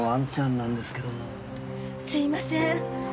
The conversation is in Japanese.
すいません。